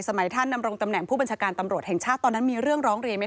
ท่านดำรงตำแหน่งผู้บัญชาการตำรวจแห่งชาติตอนนั้นมีเรื่องร้องเรียนไหม